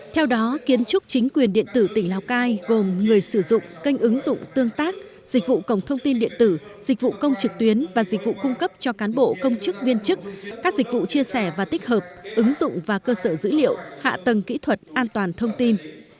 theo đó kiến trúc chính quyền điện tử tỉnh lào cai gồm người sử dụng kênh ứng dụng tương tác dịch vụ cổng thông tin điện tử dịch vụ công trực tuyến và dịch vụ cung cấp cho cán bộ công chức viên chức các dịch vụ chia sẻ và tích hợp ứng dụng và cơ sở dữ liệu hạ tầng kỹ thuật an toàn thông tin